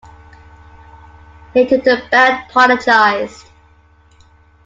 Later the band apologized.